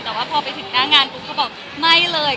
แต่ว่าพอไปถึงหน้างานปุ๊บก็บอกไม่เลย